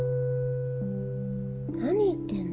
何言ってんの？